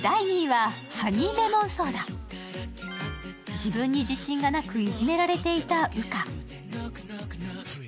自分に自信がなくいじめられていた羽花。